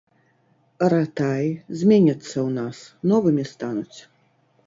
Аратаі зменяцца ў нас, новымі стануць.